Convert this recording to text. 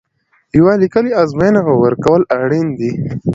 یوه لیکلې ازموینه ورکول اړین دي.